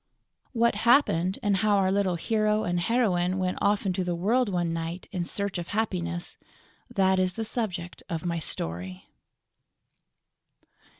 What happened and how our little hero and heroine went off into the world one night in search of happiness: that is the subject of my story.